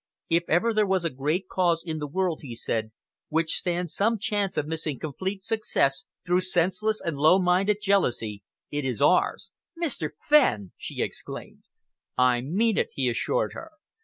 "If ever there was a great cause in the world," he said, "which stands some chance of missing complete success through senseless and low minded jealousy, it is ours." "Mr. Fenn!" she exclaimed. "I mean it," he assured her.